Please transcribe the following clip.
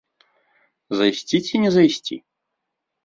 Зайсці ці не зайсці?